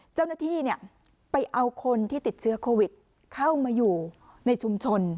เจ้าหน้าที่ไปเอาคนที่ติดเชื้อโควิดเข้ามาอยู่ในชุมชน